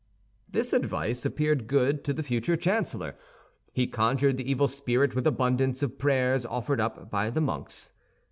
This advice appeared good to the future chancellor. He conjured the evil spirit with abundance of prayers offered up by the monks.